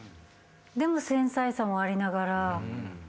でも繊細さもありながら。